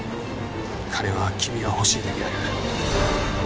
金は君が欲しいだけやる。